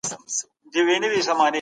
زه ریشتیا په عقل کم یمه نادان وم